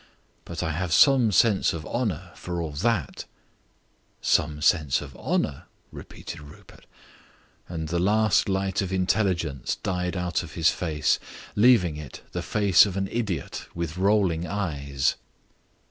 But I have some sense of honour for all that." "Some sense of honour?" repeated Rupert, and the last light of intelligence died out of his face, leaving it the face of an idiot with rolling eyes.